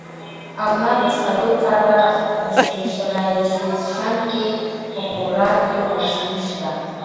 او نۀ پۀ څلور کاله سپېشلائزېشن کښې پۀ خوراک يو مضمون شته